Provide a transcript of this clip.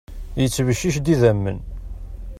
Yettbeccic-d idammen.